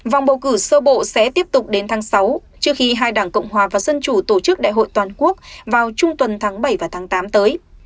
vòng bầu cử sơ bộ sẽ tiếp tục đến tháng sáu trước khi hai đảng cộng hòa và dân chủ tổ chức đại hội toàn quốc vào trung tuần tháng bảy và tháng tám tới